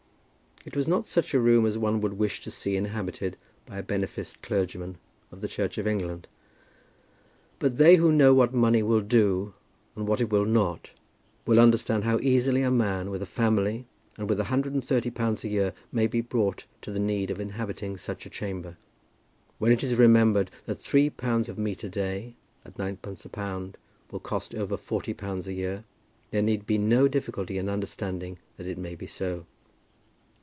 It was not such a room as one would wish to see inhabited by a beneficed clergyman of the Church of England; but they who know what money will do and what it will not, will understand how easily a man with a family, and with a hundred and thirty pounds a year, may be brought to the need of inhabiting such a chamber. When it is remembered that three pounds of meat a day, at ninepence a pound, will cost over forty pounds a year, there need be no difficulty in understanding that it may be so.